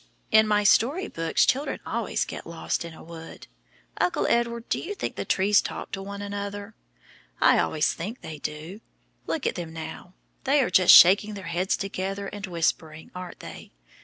In my story books, children always get lost in a wood. Uncle Edward, do you think the trees talk to one another? I always think they do. Look at them now. They are just shaking their heads together and whispering, aren't they?